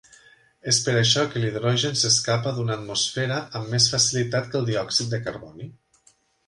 És per això que l'hidrogen es escapa d'una atmosfera amb més facilitat que el diòxid de carboni.